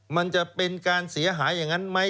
มันจะเป็นการเสียหายอย่างนั้นไหม